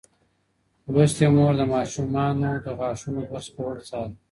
لوستې مور د ماشومانو د غاښونو برس کول څاري.